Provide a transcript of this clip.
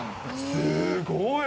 すごい。